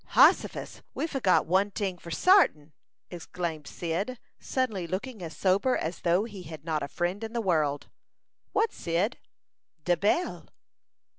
"Hossifus! We forgot one ting for sartin," exclaimed Cyd, suddenly looking as sober as though he had not a friend in the world. "What, Cyd." "De bell."